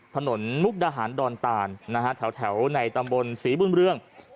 มุกดาหารดอนตานแถวในตำบลศรีบุญเรือง